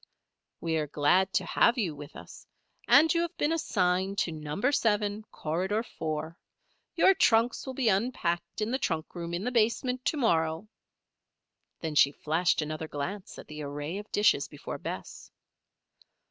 "We are glad to have you with us, and you have been assigned to Number Seven, Corridor Four. Your trunks will be unpacked in the trunk room in the basement to morrow." Then she flashed another glance at the array of dishes before Bess.